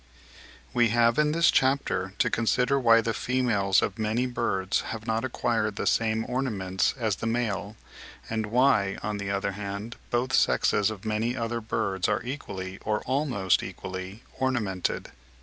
We have in this chapter to consider why the females of many birds have not acquired the same ornaments as the male; and why, on the other hand, both sexes of many other birds are equally, or almost equally, ornamented?